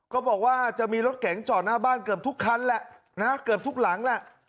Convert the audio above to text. ก็จะมีรถเก๋งจอดหน้าบ้านเกือบทุกคันแหละนะเกือบทุกหลังแหละ